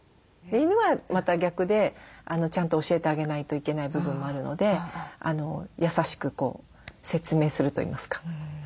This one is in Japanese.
犬はまた逆でちゃんと教えてあげないといけない部分もあるので優しく説明するといいますか。